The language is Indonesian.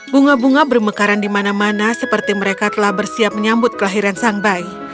bunga bunga bermekaran di mana mana seperti mereka telah bersiap menyambut kelahiran sang bayi